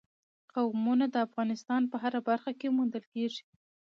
قومونه د افغانستان په هره برخه کې موندل کېږي.